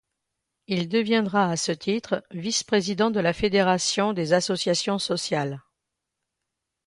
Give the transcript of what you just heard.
Il deviendra à ce titre Vice Président de la Fédération des Associations Sociales.